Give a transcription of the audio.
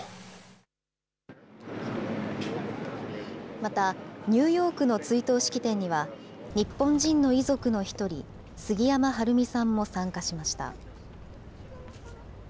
またニューヨークの追悼式典には、日本人の遺族の一人、杉山晴美さんも参加しました。